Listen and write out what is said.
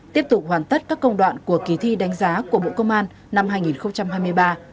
tiếp tục hoàn tất các công đoạn của kỳ thi đánh giá của bộ công an năm hai nghìn hai mươi ba